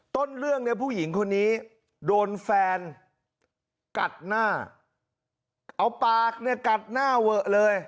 ต้นเรื่องเนี่ยผู้หญิงคนนี้โดนแฟนกัดหน้าเอาปากเนี่ยกัดหน้าเวอะเลย